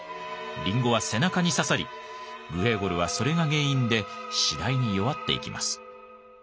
リンゴは背中に刺さりグレーゴルはそれが原因で次第に弱っていきます。